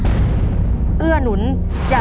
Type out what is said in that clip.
น้องป๋องเลือกเรื่องระยะทางให้พี่เอื้อหนุนขึ้นมาต่อชีวิต